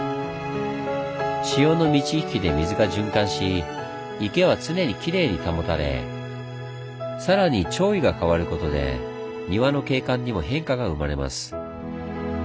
潮の満ち引きで水が循環し池は常にきれいに保たれさらに潮位が変わることで庭の景観にも変化が生まれます。